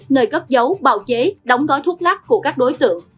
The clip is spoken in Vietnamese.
nơi cất dấu bào chế đóng gói thuốc lắc của các đối tượng